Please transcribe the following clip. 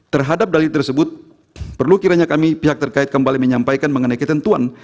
terhadap dalil tersebut perlu kiranya kami pihak terkait kembali menyampaikan mengenai ketentuan